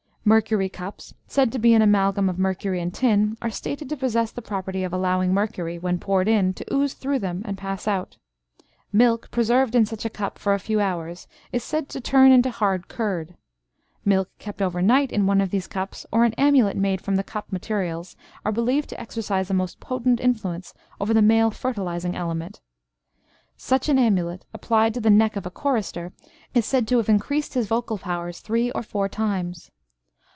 Mercury cups, said to be made of an amalgam of mercury and tin, are stated to possess the property of allowing mercury, when poured in, to ooze through them, and pass out. Milk preserved in such a cup for a few hours is said to turn into hard curd. Milk kept over night in one of these cups, or an amulet made from the cup materials, are believed to exercise a most potent influence over the male fertilising element. Such an amulet, applied to the neck of a chorister, is said to have increased his vocal powers three or four times.